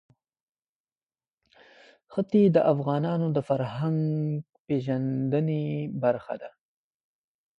ښتې د افغانانو د فرهنګي پیژندنې برخه ده.